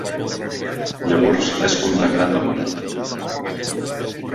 Llavors és condemnat a mort.